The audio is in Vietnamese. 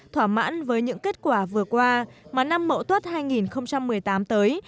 thỏa mãn với những kết quả vừa qua mà năm mậu tuất hai nghìn một mươi tám tới